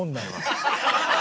ハハハハ！